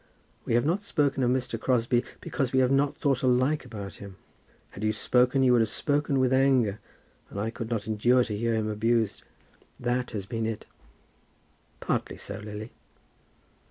We have not spoken of Mr. Crosbie because we have not thought alike about him. Had you spoken you would have spoken with anger, and I could not endure to hear him abused. That has been it." "Partly so, Lily."